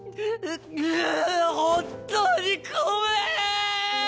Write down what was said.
うぅ本当にごめん！